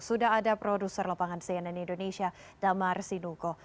sudah ada produser lapangan cnn indonesia damar sinuko